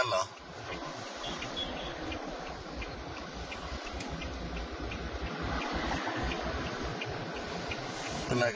เออโหผู้หญิง